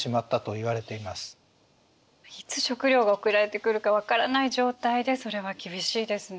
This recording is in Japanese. いつ食糧が送られてくるか分からない状態でそれは厳しいですね。